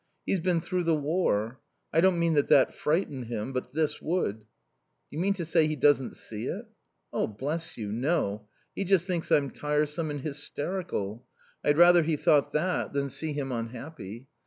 He's been through the war. I don't mean that that frightened him; but this would." "Do you mean to say he doesn't see it?" "Bless you, no. He just thinks I'm tiresome and hysterical. I'd rather he thought that than see him unhappy.